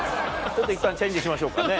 いったんチェンジしましょうかね。